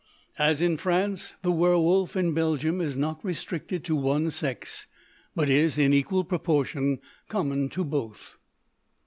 As in France, the werwolf, in Belgium, is not restricted to one sex, but is, in an equal proportion, common to both.